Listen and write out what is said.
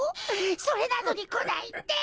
それなのにこないって。